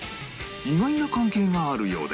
意外な関係があるようで